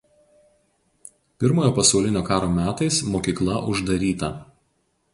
Pirmojo pasaulinio karo metais mokykla uždaryta.